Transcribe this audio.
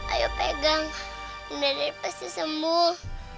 ayo pegang bunda dari pasti sembuh